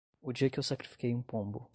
O dia que eu sacrifiquei um pombo